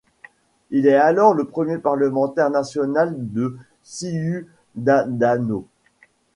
Il est alors le premier parlementaire national de Ciudadanos.